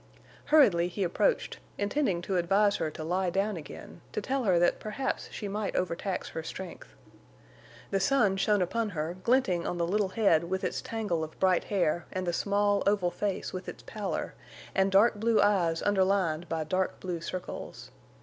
Hurriedly he approached, intending to advise her to lie down again, to tell her that perhaps she might overtax her strength. The sun shone upon her, glinting on the little head with its tangle of bright hair and the small, oval face with its pallor, and dark blue eyes underlined by dark blue circles.